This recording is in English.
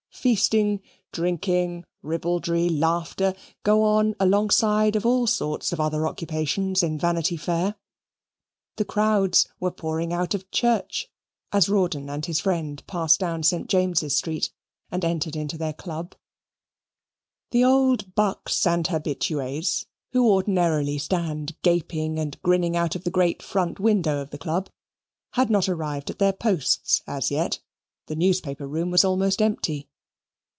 Feasting, drinking, ribaldry, laughter, go on alongside of all sorts of other occupations in Vanity Fair the crowds were pouring out of church as Rawdon and his friend passed down St. James's Street and entered into their Club. The old bucks and habitues, who ordinarily stand gaping and grinning out of the great front window of the Club, had not arrived at their posts as yet the newspaper room was almost empty.